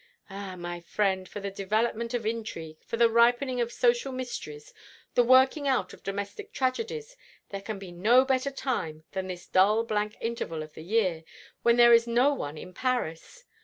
Ah, my friend, for the development of intrigue, for the ripening of social mysteries, the working out of domestic tragedies, there can be no better time than this dull blank interval of the year, when there is no one in Paris.